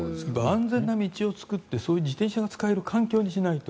安全な道を作ってそういう自転車が使える環境にしないと。